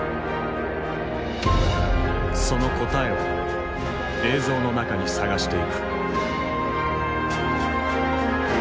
その答えを映像の中に探していく。